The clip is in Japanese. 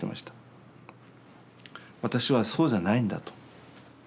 私はそうじゃないんだと。